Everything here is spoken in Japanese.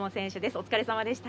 お疲れさまでした。